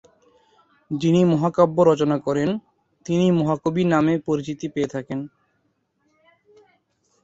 যিনি মহাকাব্য রচনা করেন, তিনি মহাকবি নামে পরিচিতি পেয়ে থাকেন।